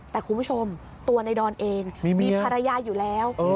แต่คุณผู้ชมตัวในดอนเองมีภรรยาอยู่แล้ว